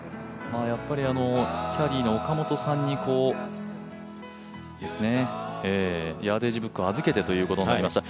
キャディーの岡本さんに、ヤーデージブックを預けてということになりました。